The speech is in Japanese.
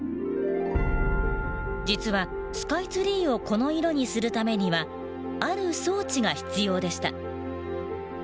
実はスカイツリーをこの色にするためにはある装置が必要でした。